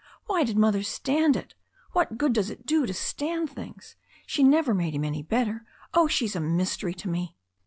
Why did Mother stand it? What good does it do to stand things? She never made him any bet ter. Oh, she's a mystery to me."